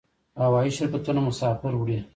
هوایی شرکتونه مسافر وړي